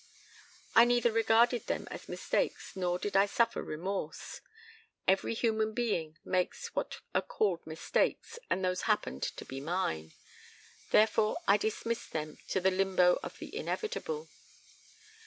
"I neither regarded them as mistakes nor did I suffer remorse. Every human being makes what are called mistakes and those happened to be mine. Therefore I dismissed them to the limbo of the inevitable.